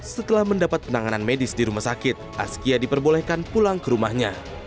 setelah mendapat penanganan medis di rumah sakit askia diperbolehkan pulang ke rumahnya